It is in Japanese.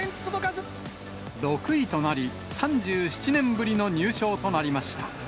６位となり、３７年ぶりの入賞となりました。